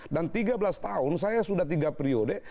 dan tiga belas tahun saya sudah tiga periode